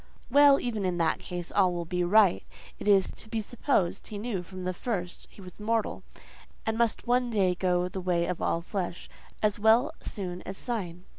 Well, even in that case, all will be right: it is to be supposed he knew from the first he was mortal, and must one day go the way of all flesh, "As well soon as syne."